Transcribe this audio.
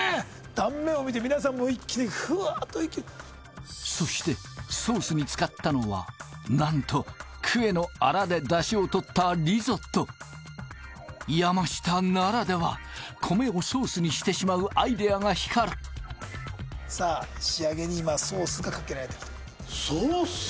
断面を見て皆さんも一気にふわーっと息そしてソースに使ったのはなんとクエのアラで出汁を取ったリゾット山下ならでは米をソースにしてしまうアイデアが光るさあ仕上げに今ソースがかけられてるとソース？